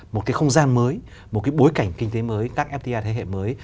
một cái không gian mới một cái bối cảnh kinh tế mới các fta thế hệ mới